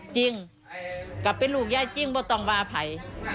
จริงกลับไปลูกย่ายจริงไม่ต้องว่าอภัย